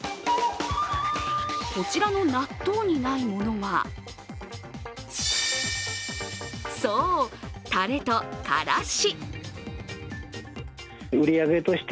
こちらの納豆にないものはそう、たれと、からし。